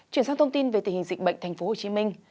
chuyển sang thông tin về tình hình dịch bệnh tp hcm